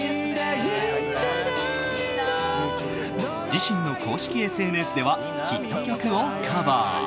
自身の公式ＳＮＳではヒット曲をカバー。